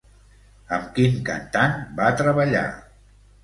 Amb quin cantant va treballar?